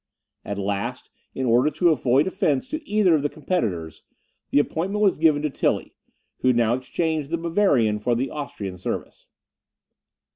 At last, in order to avoid offence to either of the competitors, the appointment was given to Tilly, who now exchanged the Bavarian for the Austrian service.